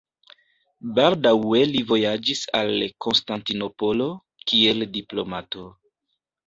Baldaŭe li vojaĝis al Konstantinopolo, kiel diplomato.